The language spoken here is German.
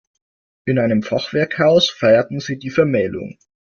In einem Fachwerkhaus feierten sie die Vermählung.